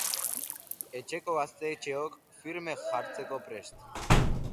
Etxeko gaztetxoak firme jartzeko prest.